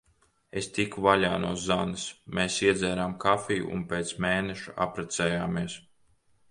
Es tiku vaļā no Zanes. Mēs iedzērām kafiju. Un pēc mēneša apprecējāmies.